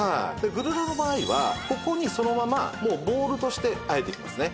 グルラボの場合はここにそのままボウルとして和えていきますね。